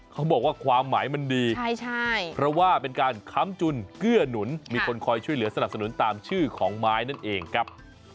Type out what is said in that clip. เขาบอกว่าความหมายมันดีเพราะว่าเป็นการค้ำจุนเกื้อหนุนมีคนคอยช่วยเหลือสนับสนุนตามชื่อของไม้นั่นเองครับ